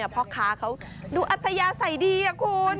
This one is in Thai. เพราะอาทยาใส่ดีคุณ